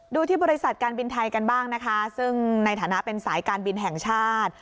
ดูที่บริษัทการบินไทยกันบ้างนะคะซึ่งในฐานะเป็นสายการบินแห่งชาติ